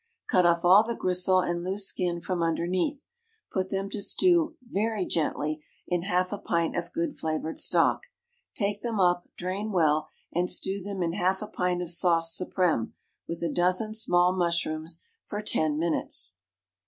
Cut off all the gristle and loose skin from underneath; put them to stew very gently in half a pint of good flavored stock. Take them up, drain well, and stew them in half a pint of sauce suprême, with a dozen small mushrooms, for ten minutes.